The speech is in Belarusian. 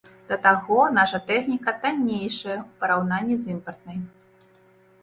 Да таго, наша тэхніка таннейшая ў параўнанні з імпартнай.